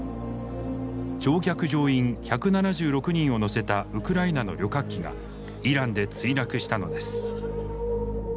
乗客乗員１７６人を乗せたウクライナの旅客機がイランで墜落したのです。